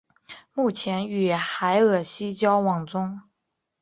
目前与海尔希交往中。